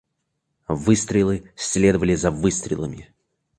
Выстрелы следовали за выстрелами.